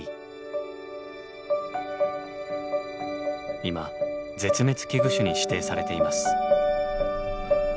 今絶滅危惧種に指定されています。